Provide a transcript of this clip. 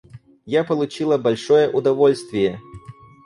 Я получила большое удовольствие.